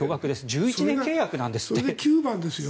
１１年契約なんですって。